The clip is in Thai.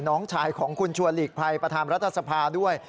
น้องชายของคุณชัวร์หลีกภัยประธานรัฐสภาด้วย